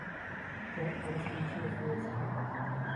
Ta ale skončila fiaskem.